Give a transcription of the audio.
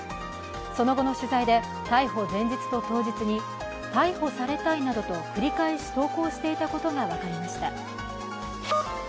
その後の取材で逮捕前日と当日に逮捕されたいなどと繰り返し投稿していたことが分かりました。